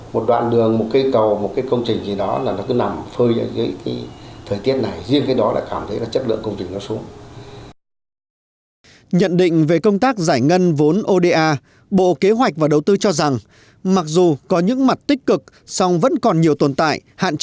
một đoạn đường một cây cầu một công trình gì đó là nó cứ nằm phơi ở cái thời tiết này